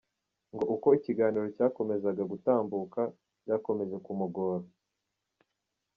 Ngo uko ikiganiro cyakomezaga kutambuka byakomeje kumugora.